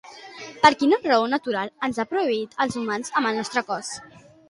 Per quina raó la natura ens ha proveït als humans amb el nostre cos?